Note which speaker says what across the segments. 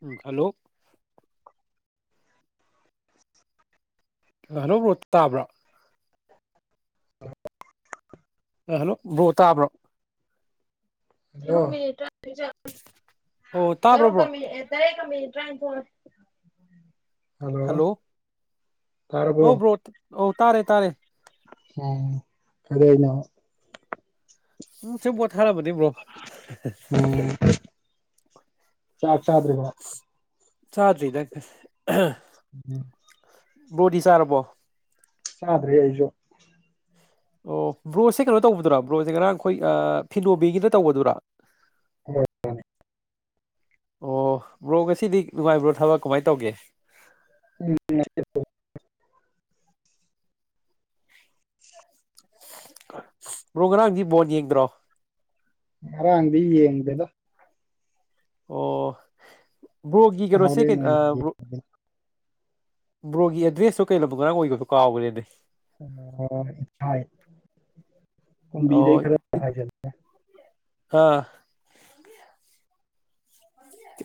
Speaker 1: ꯎ ꯍꯜꯂꯣ ꯑꯅꯕ꯭ꯔꯣꯠ ꯇꯥꯕ꯭ꯔꯥ ꯍꯜꯂꯣ ꯕ꯭ꯔꯣ ꯇꯥꯕ꯭ꯔꯣ
Speaker 2: ꯃꯤ
Speaker 1: ꯑꯣ
Speaker 2: ꯇꯔꯨ
Speaker 1: ꯇꯥꯕ꯭ꯔꯣ ꯕ꯭ꯔꯣ
Speaker 2: ꯀꯃꯤ ꯇꯔꯦ ꯭ꯔꯥꯏꯟꯁ ꯐ
Speaker 1: ꯍꯂꯣ ꯑꯣ ꯭ꯔꯣ ꯑꯣ ꯇꯥꯔꯦ ꯇꯥꯔꯦ
Speaker 2: ꯑ ꯀꯗ ꯀꯅ
Speaker 1: ꯎꯁꯕꯣꯠ ꯈꯔꯥ ꯑꯃꯅꯤꯅꯤ
Speaker 2: ꯎꯝ ꯆꯥꯛ ꯆꯥꯗ꯭ꯔꯔꯤꯒ
Speaker 1: ꯆꯇꯔꯤꯗ
Speaker 2: ꯎꯝ
Speaker 1: ꯕꯣꯗꯤꯤꯁꯥꯔꯔꯕꯣ
Speaker 2: ꯆꯥꯗ꯭ꯔꯔꯤ ꯑꯩꯁꯨ
Speaker 1: ꯑꯣ ꯕ꯭ꯔꯣꯁꯦ ꯀꯩꯅꯣ ꯇꯧꯕꯗꯨꯔ ꯕ꯭ꯔꯣꯖꯁꯦ ꯉꯔꯥꯡ ꯑꯩꯈꯣꯏ ꯐꯤꯅꯣꯕꯤꯒꯤꯅ ꯇꯧꯕꯗꯨꯔꯥ
Speaker 2: ꯍꯣꯏ
Speaker 1: ꯑꯣ ꯕ꯭ꯔꯣ ꯉꯁꯤꯗꯤ ꯅꯨꯡꯉꯥꯏꯕ꯭ꯔꯣ ꯊꯕꯛ ꯀꯃꯥꯏꯅ ꯇꯧꯒꯦ
Speaker 2: ꯎꯝ
Speaker 1: ꯭ꯔꯣꯒꯔꯥꯡꯖꯤ ꯣꯠ ꯌꯦꯡꯗ꯭ꯔꯣ
Speaker 2: ꯍꯔꯥꯡꯗꯗꯦꯗꯣ
Speaker 1: ꯑꯣ ꯕ꯭ꯔꯣꯒꯤ
Speaker 2: ꯍꯣꯔꯦꯟ ꯑꯣꯏꯅ
Speaker 1: ꯀꯩꯅꯣꯁꯦꯩꯅ ꯕ꯭ꯔꯣ ꯕ꯭ꯔꯣꯒꯤ ꯑꯦꯗ꯭ꯔꯦꯁꯇꯨ ꯀꯩ ꯂꯝꯕ ꯉꯔꯥꯡ ꯑꯣꯏꯒꯁꯨ ꯀꯥꯎꯈꯦꯅꯦ
Speaker 2: ꯑꯣꯕꯤꯗ
Speaker 1: ꯑꯣ
Speaker 2: ꯈꯔ
Speaker 1: ꯑꯥ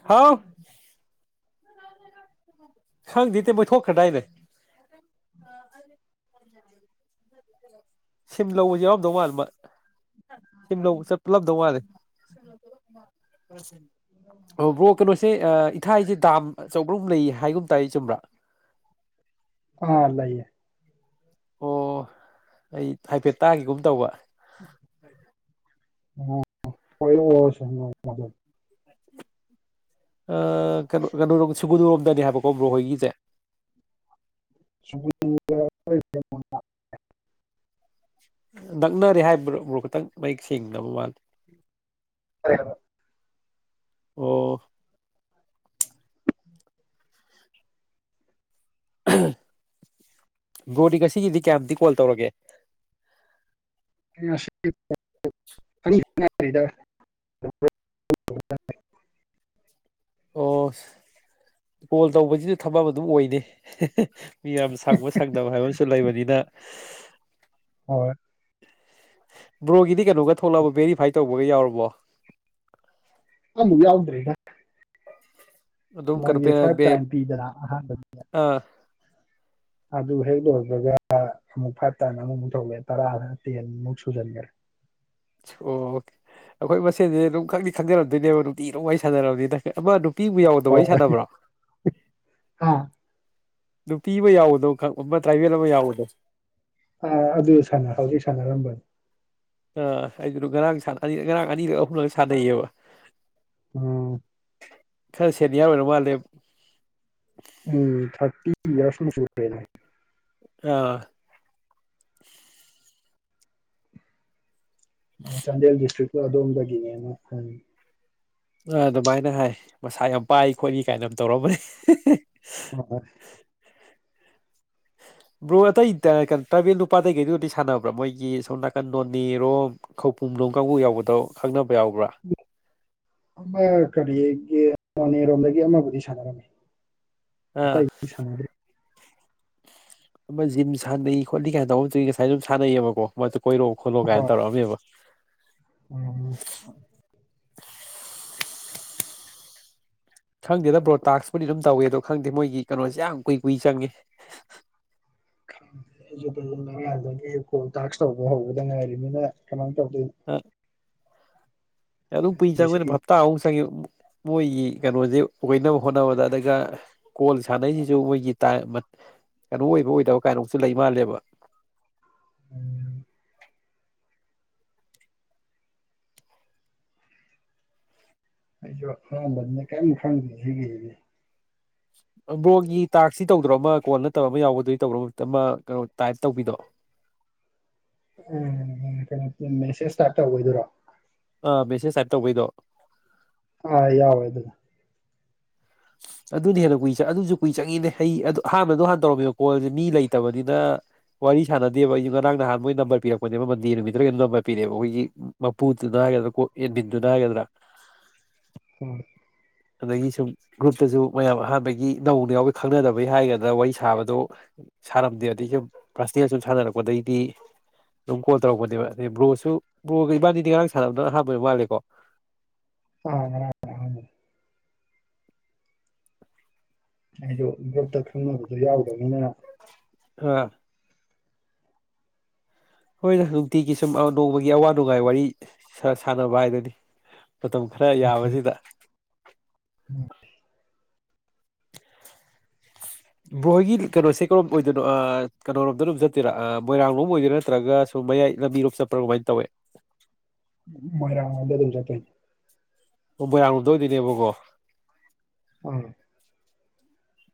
Speaker 1: ꯍꯥꯎ ꯍꯪꯗꯤ ꯊꯣꯛ ꯈꯗꯥꯏꯗ ꯁꯤꯝ ꯂꯧꯕꯁꯤ ꯌꯥꯎꯔꯝꯗꯧ ꯃꯥꯜ ꯃꯥ ꯁꯤ ꯂꯧꯕ ꯄꯨꯜꯂꯞꯗꯧ ꯋꯥꯂꯦ ꯐꯁ ꯑꯣꯕ꯭ꯔꯣ ꯀꯩꯅꯣꯁꯦ ꯏꯊꯥꯏꯁꯦ ꯗꯥꯝ ꯑꯆꯧꯕ꯭ꯔꯍꯨꯝ ꯂꯩ ꯍꯥꯏꯒꯨꯝ ꯇꯥꯔ ꯆꯨꯝꯕ꯭ꯔꯥ
Speaker 2: ꯑꯥ ꯂꯩꯏꯌꯦ
Speaker 1: ꯑꯣ ꯑꯩ ꯍꯥꯏꯐꯦꯠ ꯇꯥꯈꯤꯒꯨꯝ ꯇꯧꯕ
Speaker 2: [unintelligible] ꯑꯣ ꯑꯣ ꯍꯁꯅ ꯃꯗꯣ
Speaker 1: ꯀꯩꯅꯣ ꯀꯩꯅꯣꯣ ꯁꯤꯨꯒꯨꯅꯔꯣꯝꯗꯅꯤ ꯍꯥꯏꯕ ꯕꯣꯕ꯭ꯔꯣꯍꯣꯏꯒꯤꯁꯦ
Speaker 2: [unintelligible]
Speaker 1: ꯅꯛꯅꯔꯦ ꯍꯥꯏꯕ꯭ꯔ꯭ꯔꯣ ꯈꯤꯇꯪ ꯃꯌꯦꯛ ꯁꯦꯡꯅꯕ ꯃꯥꯜꯂꯤꯦ
Speaker 2: ꯍꯔꯦ
Speaker 1: ꯑꯣ ꯒꯣꯗꯤ ꯉꯁꯤꯒꯤꯗꯤ ꯀꯌꯥꯨꯇ ꯀꯣꯜ ꯇꯧꯔꯒꯦ
Speaker 2: [unintelligible]
Speaker 1: ꯑꯣ ꯀꯣꯜ ꯇꯧꯕꯁꯤꯁꯨ ꯊꯝꯝ ꯑꯗꯨꯝ ꯑꯣꯏꯅꯤ ꯃꯤ ꯌꯥꯝ ꯁꯪꯕ ꯁꯪꯗꯕ ꯍꯥꯏꯕ ꯑꯃꯁꯨ ꯂꯩꯕꯅꯤꯅ
Speaker 2: ꯍꯣꯏ
Speaker 1: ꯕ꯭ꯔꯣꯒꯤꯗꯤ ꯀꯩꯅꯣꯒ ꯊꯣꯛꯂꯛꯕ ꯕꯦꯔꯤꯐꯥꯏ ꯇꯧꯕꯒ ꯌꯥꯎꯔꯕꯣ
Speaker 2: ꯑꯃ ꯌꯥꯎꯗ꯭ꯔꯔꯤꯅ
Speaker 1: ꯑꯗꯨꯝ
Speaker 2: ꯃꯣꯏꯒꯤ
Speaker 1: ꯀꯩꯅꯣ
Speaker 2: ꯐꯥꯏꯚ ꯇꯥꯏꯝ ꯄꯤꯗꯅ ꯑꯍꯥꯟꯕꯗ
Speaker 1: ꯑꯥ
Speaker 2: ꯑꯗꯨ ꯍꯦꯛ ꯂꯣꯏꯕꯒ ꯑꯃꯨꯛ ꯐꯥꯏꯚ ꯇꯥꯅ ꯑꯃꯨꯛꯃꯨꯛ ꯊꯧꯂꯑꯦ ꯇꯔꯥꯗ ꯇꯦꯟꯃꯨꯛ ꯁꯨꯖꯟꯈꯔꯦ
Speaker 1: ꯑꯣ ꯑꯩꯈꯣꯏ ꯃꯁꯦꯟꯁꯦ ꯑꯗꯨꯝ ꯈꯪꯗꯤ ꯈꯪꯖꯔꯝꯗꯣꯏꯅꯦꯕ ꯅꯨꯡꯤ ꯑꯗꯨ ꯋꯥ ꯋꯥꯔꯤ ꯁꯥꯟꯅꯔꯝꯅꯤꯅ ꯑꯃ ꯄꯤꯕ ꯌꯥꯎꯗꯕ ꯋꯥꯔꯤ
Speaker 2: ꯍꯣꯏ
Speaker 1: ꯁꯥꯗꯕ꯭ꯔꯥ
Speaker 2: ꯑꯥ
Speaker 1: ꯅꯨꯄꯤ ꯑꯃ ꯌꯥꯎꯕꯗꯣ ꯈ ꯑꯃ ꯇ꯭ꯔꯥꯏꯕꯦꯜ ꯑꯃ ꯌꯥꯎꯕꯗꯣ
Speaker 2: ꯑꯥ ꯑꯗꯨ ꯁꯥꯟꯅ ꯍꯥꯎꯗꯤ ꯁꯥꯟꯅꯔꯝꯕꯅꯤ
Speaker 1: ꯑꯥ ꯑꯩꯗ ꯉꯔꯥꯡ ꯉꯔꯥꯡ ꯑꯅꯤꯔꯛ ꯑꯍꯨꯝꯂꯛ ꯁꯥꯟꯅꯩꯌꯦꯕ
Speaker 2: ꯑꯝ
Speaker 1: ꯈꯔ ꯁꯦꯠꯅꯤ ꯌꯥ ꯑꯣꯏꯅ ꯃꯥꯜꯂꯦ
Speaker 2: ꯏꯔꯁꯅ ꯁꯅ
Speaker 1: ꯑꯥ
Speaker 2: ꯆꯥꯟꯗꯦꯦꯜ ꯗꯤꯁꯇ꯭ꯔꯤꯛ ꯄꯨ ꯑꯗꯨꯝ ꯂꯗꯒꯤꯒꯦ ꯈꯏ
Speaker 1: ꯑꯗꯨꯃꯥꯏꯅ ꯍꯥꯏ ꯃꯁꯥ ꯌꯥꯝ ꯄꯥꯏ ꯈꯣꯠꯂꯤ ꯀꯥꯏꯅ ꯑꯃ ꯇꯧꯔꯝꯕꯅꯤ
Speaker 2: ꯍꯣꯏ
Speaker 1: ꯕ꯭ꯔꯣ ꯑꯇꯩ ꯇꯥꯕꯦꯜ ꯅꯨꯄꯥꯗꯩ ꯀꯩꯗꯨꯗꯤ ꯁꯥꯟꯅꯕ꯭ꯔꯥ ꯃꯣꯏꯒꯤ ꯁꯣꯝ ꯅꯥꯀꯟ ꯅꯣꯅꯤꯔꯣꯝ ꯈꯧ ꯄꯨꯝꯂꯣꯝ ꯀꯥꯡꯕꯨ ꯌꯥꯎꯕꯗꯣ ꯈꯪꯅꯕ ꯌꯥꯎꯕ꯭ꯔꯥ
Speaker 2: ꯀꯔꯤ ꯌꯦ ꯅꯅꯦꯔꯣꯝꯗꯒꯤ ꯑꯃꯕꯨꯗꯤ ꯁꯥꯟꯅꯔꯝꯃꯤ
Speaker 1: ꯑꯥ
Speaker 2: ꯑꯇꯩ ꯁꯒꯔꯤ
Speaker 1: ꯑꯃ ꯖꯤꯝ ꯁꯥꯟꯅꯩ ꯈꯣꯠꯂꯤ ꯀꯥꯏꯅ ꯇꯧꯕꯒꯤ ꯉꯁꯥꯏ ꯑꯗꯨꯝ ꯁꯥꯟꯅꯩꯑꯕꯀꯣ ꯀꯣꯏꯔꯛꯑꯣ ꯈꯣꯠꯂꯣ ꯀꯥꯏꯅ
Speaker 2: ꯍꯣꯏ
Speaker 1: ꯇꯧꯔꯛꯑꯝꯃꯦꯕ
Speaker 2: ꯎꯝ
Speaker 1: ꯈꯪꯗꯦꯗ ꯕ꯭ꯔꯣꯗꯇꯥꯛꯥꯁꯄꯨꯗꯤ ꯑꯗꯨꯝ ꯇꯧꯏꯦ ꯑꯗꯣ ꯈꯪꯗꯦ ꯃꯣꯏꯒꯤ ꯀꯩꯅꯣꯁꯦ ꯌꯥꯝ ꯀꯨꯏ ꯀꯨꯏ ꯆꯪꯉꯦ
Speaker 2: ꯈꯦ ꯑꯩ ꯑꯉꯥꯡꯗꯒꯤꯣꯜ ꯇꯥꯛꯁ ꯇꯧꯕ ꯍꯧꯕꯗ ꯉꯥꯏꯔꯤꯅꯤꯅ ꯀꯃ ꯀꯗꯤ
Speaker 1: ꯑꯦꯂ ꯄꯤꯖꯒ ꯐꯠꯇ ꯑ ꯁꯪꯒꯦ ꯃꯣꯏꯒꯤ ꯀꯩꯅꯣꯁꯦ ꯑꯣꯏꯅꯕ ꯍꯣꯠꯅꯕꯗ ꯑꯗꯨꯒ ꯀꯣꯜ ꯁꯥꯟꯅꯩꯁꯤꯁꯨ ꯃꯣꯏꯒꯤ ꯀꯩꯅꯣ ꯑꯣꯏꯕ ꯑꯣꯏꯗꯕ ꯀꯅꯣꯁꯨ ꯂꯩ ꯃꯥꯜꯂꯦꯕ
Speaker 2: ꯎꯝ ꯑꯩꯁꯨ ꯍꯥ ꯃꯅꯦ ꯀꯝ ꯈꯁꯤꯒ
Speaker 1: ꯕ꯭ꯔꯣꯒꯤ ꯇꯥꯛꯁꯁꯤ ꯇꯧꯗ꯭ꯔꯣ ꯑꯃ ꯀꯣꯟ ꯅꯠꯇꯕ ꯑꯃ ꯌꯥꯎꯕꯗꯨꯗꯤ ꯇꯧꯗꯣ ꯑꯃ ꯀꯩꯅꯣ ꯇꯥꯏꯞ ꯇꯧꯕꯤꯗꯣ
Speaker 2: ꯎꯝ ꯀꯩꯅꯣ ꯃꯦꯁꯦꯁ ꯏꯁꯇꯥꯔꯠ ꯇꯧꯣꯏꯗꯣꯏꯔꯣ
Speaker 1: ꯑꯥ ꯃꯦꯁꯦꯁ ꯇꯥꯏꯞ ꯇꯧꯕꯩꯗꯣ
Speaker 2: ꯑꯥ ꯌꯥꯎꯋꯦ ꯑꯗꯨꯗ
Speaker 1: ꯑꯗꯨꯅ ꯍꯦꯟꯅ ꯀꯨꯏ ꯑꯗꯨꯁꯨ ꯀꯨꯏ ꯆꯪꯉꯤꯅꯦ ꯑꯩ ꯑꯗꯨ ꯍꯥꯟꯅꯗꯣ ꯍꯥꯟꯅ ꯇꯧꯔꯝꯃꯤꯕ ꯀꯣꯜꯁꯦ ꯃꯤ ꯂꯩꯇꯕꯅꯤꯅ ꯋꯥꯔꯤ ꯁꯥꯟꯅꯗꯦꯕ ꯑꯩ ꯉꯔꯥꯡ ꯅꯍꯥꯟ ꯃꯣꯏ ꯅꯝꯕꯔ ꯄꯤꯔꯛꯄꯅꯦꯕ ꯃꯟꯗꯦ ꯅꯨꯃꯤꯠꯇ꯭ꯔꯒꯩꯅꯣ ꯅꯝꯕꯔ ꯄꯤꯔꯦꯕ ꯑꯩꯈꯣꯏꯒꯤ ꯃꯄꯨꯗꯨꯅ ꯍꯥꯏꯒꯗ꯭ꯔꯥ ꯀꯣ ꯌꯦꯟꯕꯤꯟꯗꯨꯅ ꯍꯥꯏꯒꯗ꯭ꯔꯥ
Speaker 2: ꯎꯝ
Speaker 1: ꯑꯗꯒꯤ ꯁꯨꯝ ꯒ꯭ꯔꯨꯞꯇꯁꯨ ꯃꯌꯥꯝ ꯑꯍꯥꯟꯕꯒꯤ ꯅꯧꯅ ꯌꯥꯎꯕ ꯈꯪꯅꯗꯕꯩ ꯍꯥꯏꯒꯗꯅ ꯋꯥꯔꯤ ꯁꯥꯕꯗꯣ ꯁꯥꯔꯝꯗꯦ ꯑꯗꯗꯒꯤ ꯁꯨꯝ ꯐꯥꯔꯁ ꯗꯌꯥ ꯁꯨꯝ ꯁꯥꯟꯅꯔꯛꯄꯗꯩꯗꯤ ꯑꯗꯨꯝ ꯀꯣꯜ ꯇꯧꯔꯛꯄꯅꯦꯕ ꯑꯗꯩ ꯕ꯭ꯔꯣꯁꯨ ꯕ꯭ꯔꯣꯒ ꯏꯕꯥꯅꯤꯗꯤ ꯉꯔꯥꯡ ꯁꯥꯟꯅꯕꯗꯅ ꯑꯍꯥꯟꯕ ꯃꯥꯜꯂꯦꯀꯣ
Speaker 2: ꯑ ꯑꯗꯨ ꯑꯩꯁꯨ ꯌꯣꯇ ꯈꯪꯅꯕꯗꯣ ꯌꯥꯎꯗꯕ ꯏꯩꯅ
Speaker 1: ꯑ ꯍꯣꯏ ꯅ ꯅꯨꯡꯇꯤꯒꯤ ꯁꯨꯝ ꯅꯣꯡꯃꯒꯤ ꯑꯋꯥ ꯅꯨꯡꯉꯥꯏ ꯋꯥꯔꯤ ꯁꯥꯟꯅꯕ ꯍꯥꯏꯗꯨꯅꯤ ꯃꯇꯝ ꯈꯔ ꯌꯥꯕꯁꯤꯗ ꯃꯣꯏꯒꯤ ꯀꯩꯅꯣꯁꯦ ꯀꯔꯣꯝ ꯑꯣꯏꯗꯣꯏꯅꯣ ꯀꯩꯅꯣꯔꯣꯝꯗ ꯑꯗꯨꯣꯝ ꯆꯠꯇꯣꯏꯔꯥ ꯃꯣꯏꯔꯥꯡꯂꯣꯝ ꯑꯣꯏꯗꯣꯏꯔꯥ ꯅꯠꯇ꯭ꯔꯒ ꯁꯨꯝ ꯃꯌꯥꯏ ꯂꯝꯕꯤꯔꯣꯝ ꯆꯠꯄ꯭ꯔꯥ ꯀꯃꯥꯏꯅ ꯇꯧꯋꯦ
Speaker 2: ꯃꯣꯏꯔꯃꯗ ꯇ ꯆ ꯊ
Speaker 1: ꯑꯣꯕꯔꯥꯡꯗꯣꯏꯗꯨꯣꯏꯅꯦꯕꯀꯣ
Speaker 2: ꯎꯝ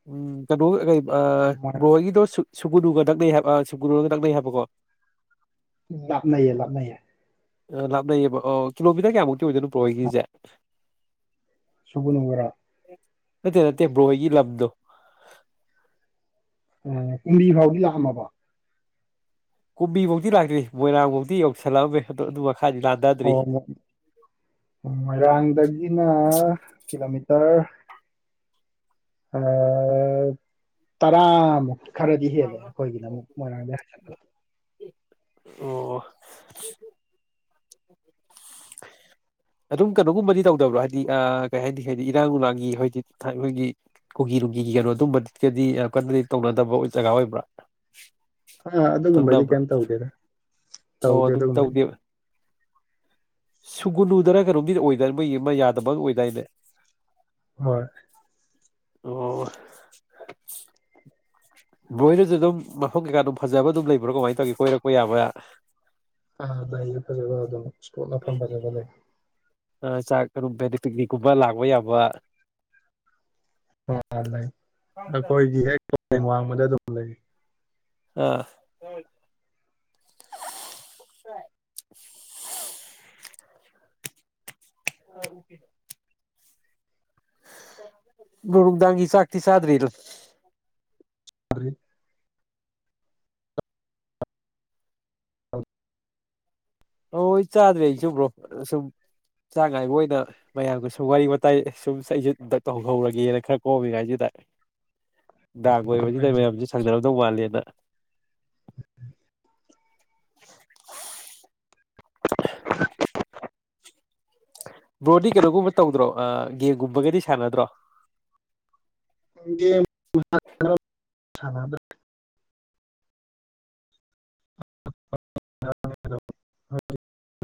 Speaker 1: ꯎꯝ ꯀꯕꯨ ꯀ ꯑ
Speaker 2: ꯃꯣꯏꯔꯥꯡ
Speaker 1: ꯕꯣꯏꯒꯤꯗꯣ ꯁꯨꯒꯨꯅꯨꯒ ꯇꯛꯅꯩ ꯍꯥꯏꯕ ꯁꯨꯒꯨꯅꯨꯒ ꯅꯛꯅꯩ ꯍꯥꯏꯕꯀꯣ
Speaker 2: ꯂꯞꯅꯌꯦ ꯂꯥꯞꯅꯌꯦ
Speaker 1: ꯑ ꯂꯥꯞꯅꯩꯌꯦꯕ ꯑꯣ ꯀꯤꯂꯣꯃꯤꯇꯔ ꯀꯌꯥꯃꯨꯛꯇꯤ ꯑꯣꯏꯗꯣꯏꯅꯣ ꯕ꯭ꯔꯣ ꯍꯣꯏꯈꯤꯁꯦ
Speaker 2: ꯁꯨꯒꯥ ꯅ ꯒꯔꯣ
Speaker 1: ꯅꯠꯇꯦ ꯅꯠꯇꯦ ꯕ꯭ꯔꯣ ꯍꯣꯏꯒꯤ ꯂꯝꯗꯣ
Speaker 2: ꯀꯨꯝꯕꯤ ꯐꯥꯎꯒꯤ ꯌꯧꯔꯝꯃꯕꯔꯥ
Speaker 1: ꯀꯨꯝꯕꯤ ꯐꯧꯗꯤ ꯂꯥꯛꯇ꯭ꯔꯤ ꯃꯣꯏꯔꯥꯡꯐꯧꯗꯤ ꯌꯧꯁꯜꯂꯛ ꯑꯃꯦ
Speaker 2: ꯑꯣ ꯃꯣꯏꯔꯥꯡꯗꯒꯤꯅ ꯀꯤꯂꯣꯃꯤꯇꯔ ꯇ꯭ꯔ ꯑꯥ ꯇꯔꯥ ꯃꯨꯛ ꯈꯪꯗꯦꯌꯦ ꯑꯩꯈꯣꯏꯒꯤꯅ ꯑꯃꯨꯛ ꯃꯣꯏꯔꯥꯡꯗꯩ ꯍꯥꯏꯊꯕ
Speaker 1: ꯑꯣ ꯑꯗꯨꯝ ꯀꯩꯅꯣꯒꯨꯝꯕꯗꯤ ꯇꯧꯗꯕ꯭ꯔꯣ ꯍꯥꯏꯗꯤ ꯀꯩ ꯍꯥꯏꯅꯤ ꯍꯥꯏꯗꯤ ꯏꯔꯥꯡ ꯅꯨꯡꯂꯥꯡꯒꯤ ꯍꯥꯏꯗꯤ ꯑꯩꯈꯣꯏꯒꯤ ꯀꯨꯀꯤ ꯅꯨꯡꯒꯤꯒꯤ ꯀꯩꯅꯣ ꯑꯗꯨꯝꯕꯒꯗꯤ ꯌꯥꯝ ꯀꯟꯅꯗꯤ ꯇꯧꯅꯗꯕ ꯖꯒꯥ ꯑꯣꯏꯕ꯭ꯔꯥ
Speaker 2: ꯑꯥ ꯑꯗꯨꯒꯨꯝꯕꯗꯤ
Speaker 1: ꯇꯛꯅꯕ꯭ꯔꯥ
Speaker 2: ꯀꯩꯝ ꯇꯧꯗꯦꯗ
Speaker 1: ꯑꯣ
Speaker 2: ꯇꯧꯗꯦ ꯑꯗꯨꯒꯨꯝꯕꯗꯤ
Speaker 1: ꯁꯨꯒꯨꯅꯨꯗꯅ ꯀꯩꯅꯣꯝꯅꯤ ꯑꯣꯏꯗ ꯃꯩ ꯑꯃ ꯌꯥꯗꯕ ꯑꯣꯏꯗꯥꯏꯅꯦ
Speaker 2: ꯍꯣꯏ
Speaker 1: ꯑꯣ ꯃꯣꯏꯅꯁꯨ ꯑꯗꯨꯝ ꯃꯐꯝ ꯀꯩꯀꯥ ꯑꯗꯨꯝ ꯐꯖꯕ ꯑꯗꯨꯝ ꯂꯩꯕ꯭ꯔꯣ ꯀꯃꯥꯏꯅ ꯇꯧꯒꯦ ꯀꯣꯏꯔꯛꯄ ꯌꯥꯕ
Speaker 2: ꯑꯥꯏ ꯗꯦꯏ ꯐꯖꯕ ꯑꯗꯨꯝ ꯑꯁꫭꯝꯗꯥ ꯃꯐꯝ ꯐꯥꯖꯕ ꯑꯃꯥ ꯂꯩ
Speaker 1: ꯆꯥꯛ ꯄꯤꯛꯅꯤꯛꯀꯨꯝꯕ ꯂꯥꯛꯄ ꯌꯥꯕ
Speaker 2: ꯑ ꯂꯩ ꯑꯩꯈꯣꯏꯒꯤ ꯍꯦꯛ ꯋꯥꯡꯕꯗ ꯑꯗꯨꯝ ꯂꯩ
Speaker 1: ꯑꯥ [unintelligible] ꯑ ꯑꯣꯀꯦ ꯕ꯭ꯔꯣ ꯅꯨꯡꯗꯥꯡꯒꯤ ꯆꯥꯛꯇꯤ ꯆꯥꯗꯔꯤ ꯗꯨ
Speaker 2: [unintelligible] [unintelligible]
Speaker 1: ꯍꯣꯏ ꯆꯥꯗ꯭ꯔꯦ ꯑꯩꯁꯨꯕ꯭ꯔꯣ ꯁꯨꯝ ꯆꯥꯛ ꯉꯥꯏꯕ ꯑꯣꯏꯅ ꯃꯌꯥꯝꯒ ꯁꯨꯝ ꯋꯥꯔꯤ ꯋꯥꯇꯥꯏ ꯁꯨꯝ ꯑꯩꯁꯨ ꯗ ꯇꯧꯍꯧꯔꯒꯦꯅ ꯈꯔ ꯀꯣꯝꯃꯤꯉꯥꯏꯁꯤꯗ ꯗꯥꯛ ꯑꯣꯏꯕꯁꯤꯗ ꯃꯌꯥꯝꯁꯤ ꯁꯪꯅ [unintelligible] ꯋꯥꯂꯦꯅ [unintelligible] ꯕ꯭ꯔꯣꯗꯤ ꯀꯩꯅꯣꯒꯨꯝꯕ ꯇꯧꯗ꯭ꯔꯣ ꯑ ꯒꯦꯝ ꯒꯨꯝꯕꯒꯗꯤ ꯁꯥꯟꯅꯗ꯭ꯔꯣ
Speaker 2: ꯒꯦꯝ [unintelligible] ꯁꯥꯟꯅꯗ [unintelligible]